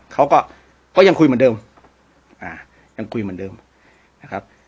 เขาก็ยังคุยเหมือนเดิมอ่ายังคุยเหมือนเดิมนะครับ